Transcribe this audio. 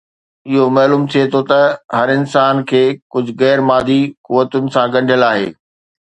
اهو معلوم ٿئي ٿو ته هر انسان کي ڪجهه غير مادي قوتن سان ڳنڍيل آهي